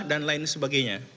dan lain sebagainya